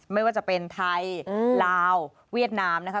ไม่ว่าจะเป็นไทยลาวเวียดนามนะคะ